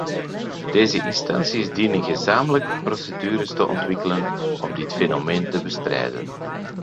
Deze instanties dienen gezamenlijk procedures te ontwikkelen om dit fenomeen te bestrijden.